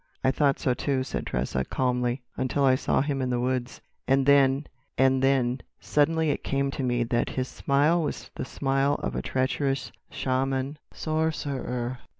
"I thought so too," said Tressa, calmly, "until I saw him in the woods. And then—and then—suddenly it came to me that his smile was the smile of a treacherous Shaman sorcerer.